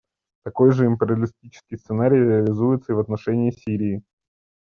Такой же империалистический сценарий реализуется и в отношении Сирии.